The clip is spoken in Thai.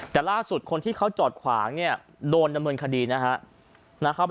แต่ล่าสุดคนที่เขาจอดขวางเนี่ยโดนดำเนินคดีนะครับ